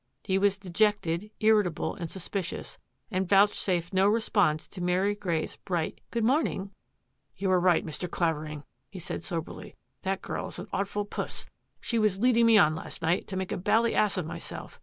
He was dejected, irritable, and suspicious, and vouch safed no response to Mary Grey's bright " good morning.'* " You were right, Mr. Clavering," he said soberly, " that girl is an artful puss. She was leading me on last night to make a bally ass of myself.